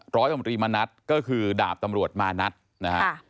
ร้อยตำรวจรีมณัฐก็คือดาบตำรวจมานัดนะฮะ